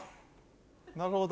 なるほど。